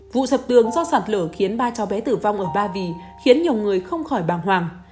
vụ sập tường do sạt lở khiến ba cháu bé tử vong ở ba vì khiến nhiều người không khỏi bàng hoàng